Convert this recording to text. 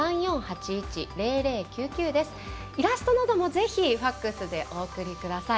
イラストなどもぜひファックスでお送りください。